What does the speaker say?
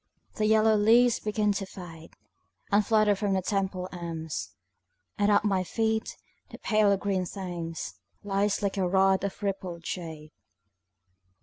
The yellow leaves begin to fade And flutter from the Temple elms, And at my feet the pale green Thames Lies like a rod of rippled jade.